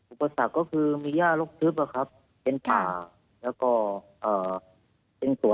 อุปสรรคก็คือมีย่าธุรกย์ทึบเป็นผ่าและเป็นตัวเล็กน้อยน้อยครับ